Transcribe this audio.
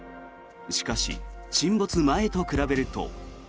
しかし、沈没前と比べると。